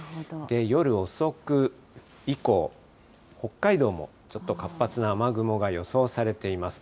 夜遅く以降、北海道もちょっと活発な雨雲が予想されています。